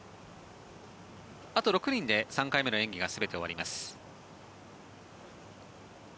あと６人で３回目の演技が全て終わります。